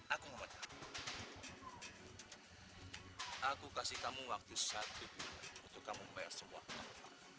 aku mau aku kasih kamu waktu satu bulan untuk kamu bayar semua uang